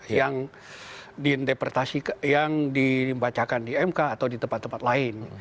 yang diinterpretasikan yang dibacakan di mk atau di tempat tempat lain